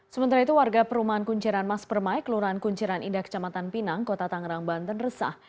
sementara itu warga perumahan kunciran mas permai kelurahan kunciran indah kecamatan pinang kota tangerang banten resah